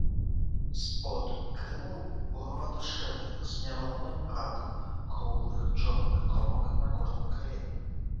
Спод крылаў буравата-шэры з няроўным радам круглых чорных кропак на кожным крыле.